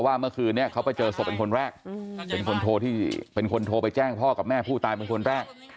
ว่าเมื่อคืนนี้เขาไปเจอศพเป็นคนแรกเป็นคนโทรไปแจ้งพ่อกับแม่ผู้ตายเป็นคนแรก